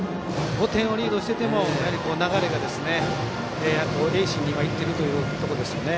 ５点リードしていても流れが盈進に今いっているということですね。